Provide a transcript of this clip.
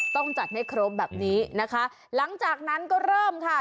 ต้องจัดให้ครบแบบนี้นะคะหลังจากนั้นก็เริ่มค่ะ